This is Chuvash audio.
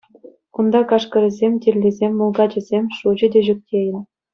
Унта кашкӑрӗсем, тиллисем, мулкачӗсем — шучӗ те ҫук тейӗн.